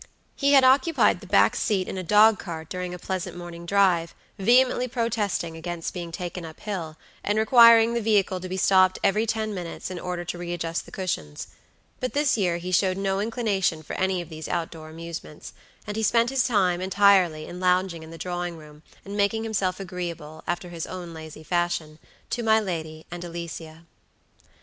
He had occupied the back seat in a dog cart during a pleasant morning drive, vehemently protesting against being taken up hill, and requiring the vehicle to be stopped every ten minutes in order to readjust the cushions. But this year he showed no inclination for any of these outdoor amusements, and he spent his time entirely in lounging in the drawing room, and making himself agreeable, after his own lazy fashion, to my lady and Alicia.